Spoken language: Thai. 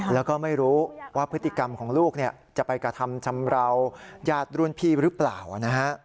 แล้วก็ไม่รู้ว่าพฤติกรรมของลูกจะไปกระทำชำราวญาติรุ่นพี่หรือเปล่านะฮะ